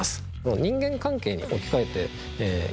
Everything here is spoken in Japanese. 人間関係に置き換えて言うとですね